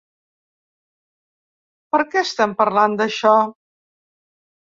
Per què estem parlant d'això?